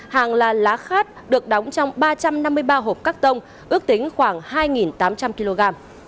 hàng là lá khát được đóng trong ba trăm năm mươi ba hộp cắt tông ước tính khoảng hai tám trăm linh kg